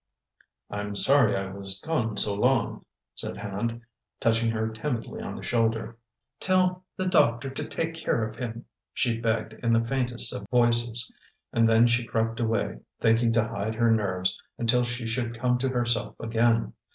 "I'm sorry I was gone so long," said Hand, touching her timidly on the shoulder. "Tell the doctor to take care of him," she begged in the faintest of voices; and then she crept away, thinking to hide her nerves until she should come to herself again.